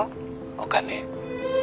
お金」